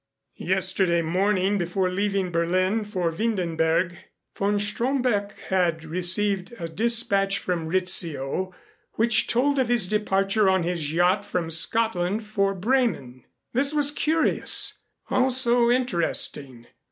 Yesterday morning before leaving Berlin for Windenberg, von Stromberg had received a dispatch from Rizzio which told of his departure on his yacht from Scotland for Bremen. This was curious also interesting.